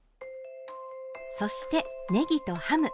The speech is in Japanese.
そしてねぎとハム。